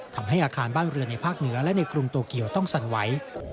ทำให้อาคารบ้านเรือนในภาคเหนือและในกรุงโตเกียวต้องสั่นไหว